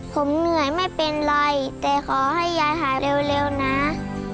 ผมเหนื่อยไม่เป็นไรแต่ขอให้ยายหายเร็วนะ